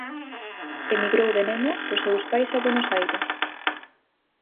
Emigrou de neno cos seus pais a Buenos Aires.